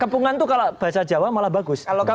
tepungan itu kalau bahasa jawa malah bagus